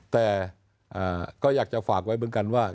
แต่ก็อยากจะฝากไว้เหมือนกันว่า